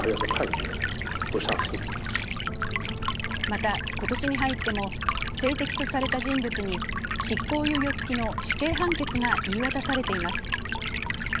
また、今年に入っても政敵とされた人物に執行猶予付きの死刑判決が言い渡されています。